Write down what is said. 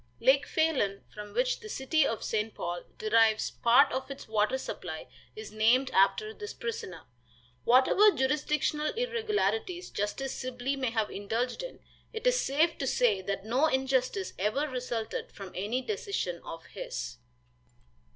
Lake Phalen, from which the city of St. Paul derives part of its water supply, is named after this prisoner. Whatever jurisdictional irregularities Justice Sibley may have indulged in, it is safe to say that no injustice ever resulted from any decision of his.